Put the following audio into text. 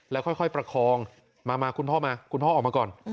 แล้วค่อยประคองมาคุณพ่อมาคุณพ่อออกมาก่อน